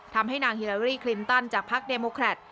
ทำให้นางฮิลาเรีย์คลิมตันจากภักดิ์เดมโมครัตต์